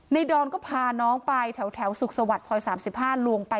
ดอนก็พาน้องไปแถวสุขสวัสดิ์ซอย๓๕ลวงไป